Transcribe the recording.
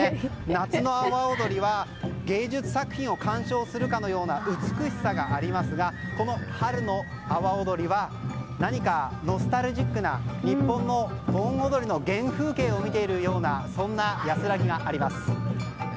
夏の阿波踊りは芸術作品を鑑賞するかのような美しさがありますがこの春の阿波踊りは何かノスタルジックな日本の盆踊りの原風景を見ているようなそんな安らぎがあります。